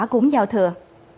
cũng giao thừa